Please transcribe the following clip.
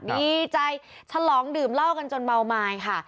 ดีใจฉลองดื่มเหล้ากันจนเมาไม้ค่ะ